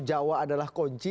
jawa adalah kunci